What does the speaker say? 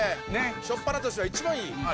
しょっぱなとしては一番いい。